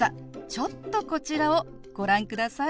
ちょっとこちらをご覧ください。